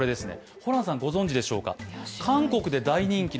ホランさん、ご存じでしょうか。